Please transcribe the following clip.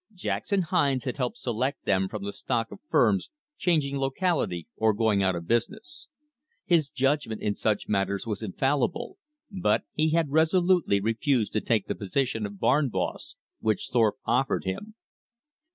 Jackson Hines had helped select them from the stock of firms changing locality or going out of business. His judgment in such matters was infallible, but he had resolutely refused to take the position of barn boss which Thorpe offered him.